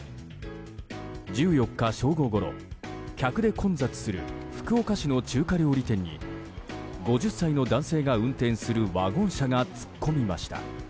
１４日正午ごろ、客で混雑する福岡市の中華料理店に５０歳の男性が運転するワゴン車が突っ込みました。